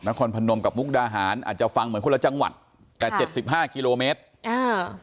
พนมกับมุกดาหารอาจจะฟังเหมือนคนละจังหวัดแต่เจ็ดสิบห้ากิโลเมตรอ่า